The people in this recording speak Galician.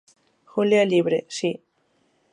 Julia é libre, si.